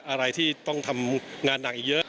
อะไรที่ต้องทำงานหนักอีกเยอะ